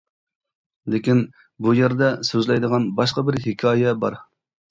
لېكىن بۇ يەردە سۆزلەيدىغان باشقا بىر ھېكايە بار.